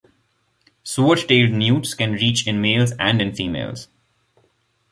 Sword-tailed newts can reach in males and in females.